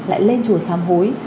lại lên chùa sám hối